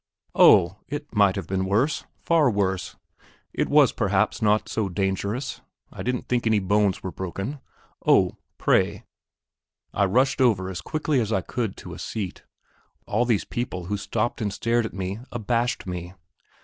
Oh! it might have been worse, far worse.... It was perhaps not so dangerous.... I didn't think any bones were broken. Oh, pray.... I rushed over as quickly as I could to a seat; all these people who stopped and stared at me abashed me.